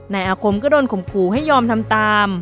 นายอาคมก็โดนข่มขู่ให้ยอมทำตาม